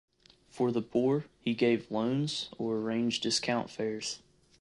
For the poor, he gave loans, or arranged discount fares.